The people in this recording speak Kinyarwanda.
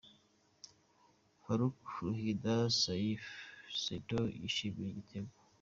Farouk Ruhinda Saifi Ssentongo yishimira igitego.